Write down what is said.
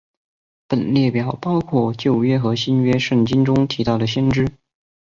本列表包括旧约和新约圣经中提到的先知。